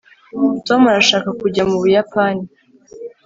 tom arashaka kujya mu buyapani